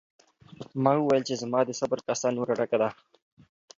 ما وویل چې زما د صبر کاسه نوره ډکه ده.